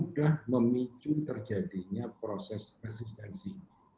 sudah memicu terjadinya proses resistensi